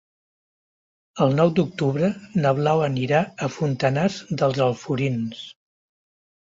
El nou d'octubre na Blau anirà a Fontanars dels Alforins.